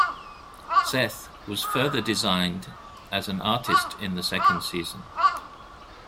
Seth was further designed as an artist in the second season.